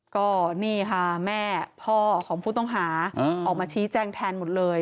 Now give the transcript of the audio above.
ก็นี่ค่ะแม่พ่อของผู้ต้องหาออกมาชี้แจ้งแทนหมดเลย